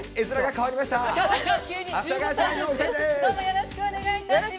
よろしくお願いします。